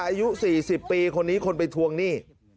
อายุ๔๐ปีคนนี้คนไปทวงหนี้